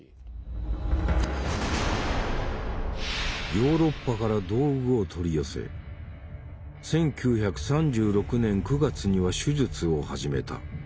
ヨーロッパから道具を取り寄せ１９３６年９月には手術を始めた。